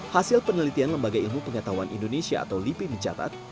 hasil penelitian lembaga ilmu pengetahuan indonesia atau lipi mencatat